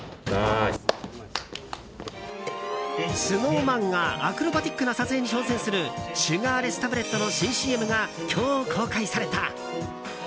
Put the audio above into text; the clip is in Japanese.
ＳｎｏｗＭａｎがアクロバティックな撮影に挑戦するシュガーレスタブレットの新ＣＭが今日公開された。